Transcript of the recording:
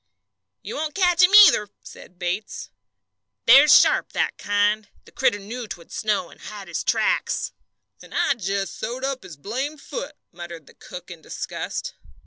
"You won't catch him, either," said Bates. "They're sharp that kind. The critter knew 'twould snow and hide his tracks." "And I'd just sewed up his blamed foot!" muttered the cook in disgust.